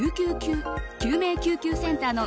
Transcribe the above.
救命救急センターの